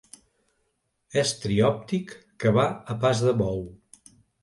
Estri òptic que va a pas de bou.